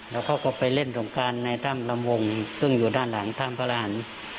แล้วเขาก็ไปเล่นสงการในถ้ำลำวงซึ่งอยู่ด้านหลังถ้ำพระรหัน